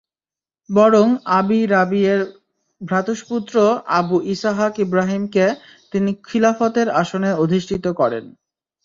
বরং আবী রাবী-এর ভ্রাতুস্পুত্র আবু ইসহাক ইবরাহীমকে তিনি খিলাফতের আসনে অধিষ্ঠিত করেন।